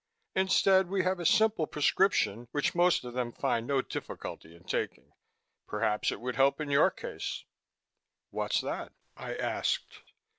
Instead, we have a simple prescription which most of them find no difficulty in taking. Perhaps it would help in your case." "What's that?" I asked.